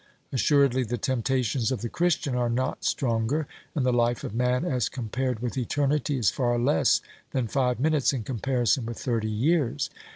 Assuredly the temptations of the Christian are not stronger, and the life of man as compared with eternity is far less than five minutes in comparison with thirty years.